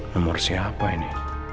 nomor siapa ini